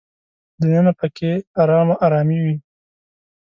دننه په کې ارامه ارامي وي.